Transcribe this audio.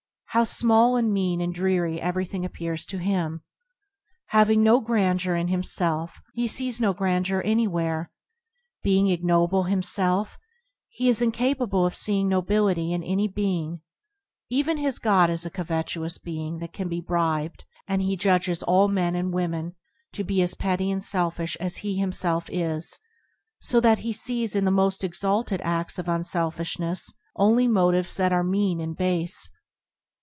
How small and mean and drear everything appears to him. Having no grandeur in himself, he sees no grandeur anywhere ; being ignoble himself, he is incapable of seeing nobility in any be ing. Even his god is a covetous being that can be bribed, and he judges all men and women to be just as petty and selfish as he himself is, so that he sees in the most exalted ads of unselfishness only motives that are mean and base.